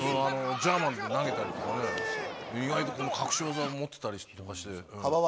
ジャーマン投げたりとかね、意外と隠し技を持ってたりして。